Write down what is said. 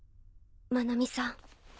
愛美さん。